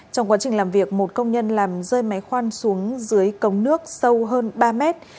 trong quá trình làm việc một công nhân làm rơi máy khoan xuống dưới cống nước sâu hơn ba mét